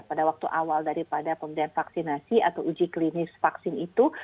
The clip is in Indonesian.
pada waktu awal daripada pemberian vaksinasi atau uji klinis vaksin itu